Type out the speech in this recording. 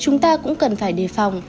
chúng ta cũng cần phải đề phòng